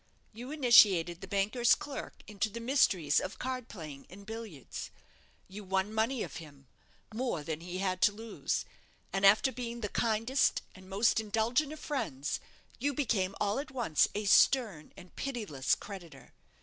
You initiated the banker's clerk into the mysteries of card playing and billiards. You won money of him more than he had to lose; and after being the kindest and most indulgent of friends, you became all at once a stern and pitiless creditor.